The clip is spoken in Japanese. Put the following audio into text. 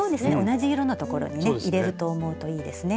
同じ色のところにね入れると思うといいですね。